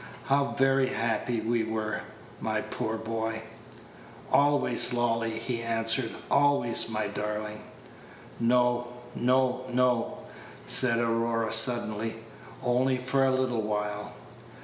How very happy we were, my poor boy!" "Always, Lolly," he answered, "always, my darling." "No, no, no," said Aurora, suddenly; "only for a little while.